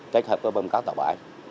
chết hợp bơm cát tàu bãi